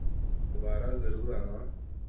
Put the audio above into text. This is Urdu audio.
دوبارہ ضرور آنا